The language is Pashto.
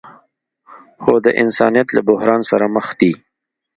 خو د انسانیت له بحران سره مخ دي.